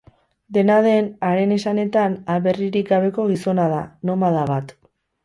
Dena den, haren esanetan, aberririk gabeko gizona da, nomada bat.